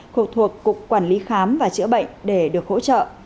thuộc cục quản lý khám và chữa bệnh để được hỗ trợ